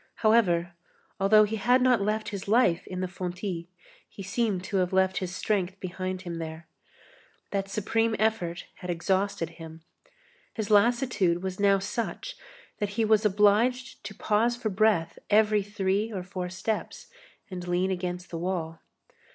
However, although he had not left his life in the fontis, he seemed to have left his strength behind him there. That supreme effort had exhausted him. His lassitude was now such that he was obliged to pause for breath every three or four steps, and lean against the wall.